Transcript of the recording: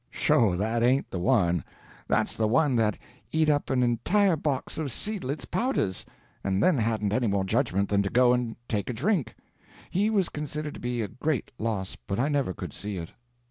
"Sho! that ain't the one. That's the one that eat up an entire box of Seidlitz powders, and then hadn't any more judgment than to go and take a drink. He was considered to be a great loss, but I never could see it.